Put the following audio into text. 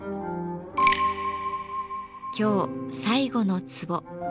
今日最後の壺。